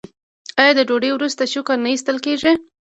آیا د ډوډۍ وروسته شکر نه ایستل کیږي؟